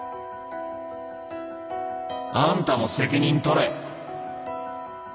「あんたも責任とれ」。